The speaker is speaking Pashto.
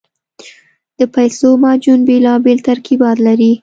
د پیسو معجون بېلابېل ترکیبات لري.